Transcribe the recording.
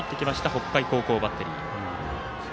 北海高校バッテリー。